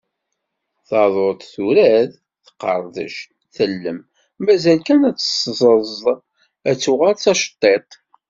Taduḍt, turad; teqqerdec; tellem. Mazal kan ad tt-teẓḍ, ad tuɣal d tacettiḍt.